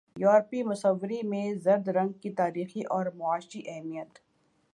یورپی مصوری میں زرد رنگ کی تاریخی اور معاشی اہمیت